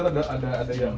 saya lihat ada yang